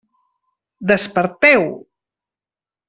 Desperteu!